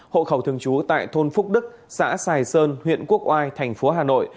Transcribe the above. hộ khẩu thường trú tại thôn phúc đức xã sài sơn huyện quốc oai thành phố hà nội